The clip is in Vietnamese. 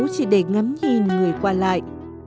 chỉ để ngắm nhìn người qua lại